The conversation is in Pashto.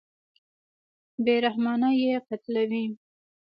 بېرحمانه یې قتلوي.